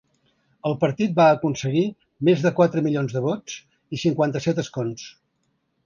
El partit va aconseguir més de quatre milions de vots i cinquanta-set escons.